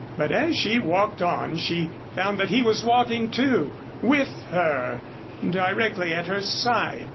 But as she walked on, she found that he was walking, too with her, directly at her side.